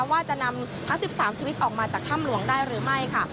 ว่าจะนำทั้ง๑๓ชีวิตออกมาจากถ้ำหลวงได้หรือไม่ค่ะ